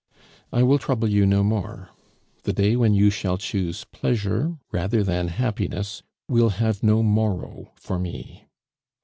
"I will trouble you no more: the day when you shall choose pleasure rather than happiness will have no morrow for me.